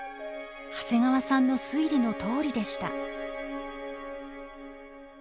長谷川さんの推理のとおりでした。